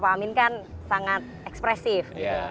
pak amin kan sangat ekspresif